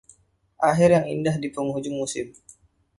Akhir yang indah di penghujung musim.